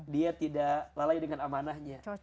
dia tidak lalai dengan amanahnya